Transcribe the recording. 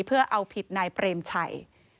เพื่อเอาผิดนายเปรมชัย